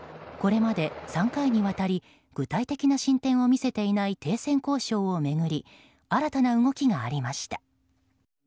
これまで３回にわたり具体的な進展を見せていない停戦交渉を巡り新たな動きがありました。